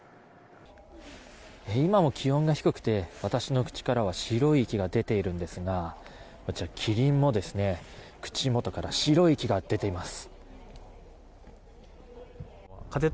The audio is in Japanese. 今も気温が低くて私の口からは白い息が出ているんですがこちら、キリンも口元から白い息が出ています。